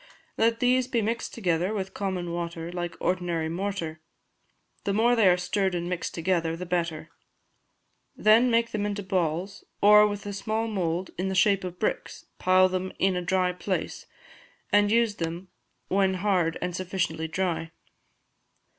Let these be mixed together with common water, like ordinary mortar; the more they are stirred and mixed together the better; then make them into balls, or, with a small mould, in the shape of bricks, pile them in a dry place, and use when hard and sufficiently dry.